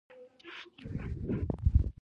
هدف یې په ټولنه کې د موضوعاتو عملي کول دي.